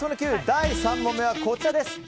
第３問目はこちらです。